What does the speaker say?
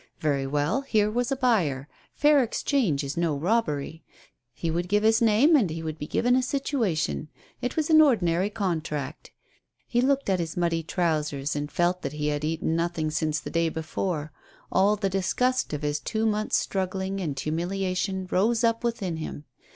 Very well, here was a buyer. Fair exchange is no robbery. lie would give his name, and he would be given a situation. It was an ordinary contract. He looked at his muddy trousers, and felt that he had eaten nothing since the day before ; all the disgust of his two months' struggling and humiliation rose up within him.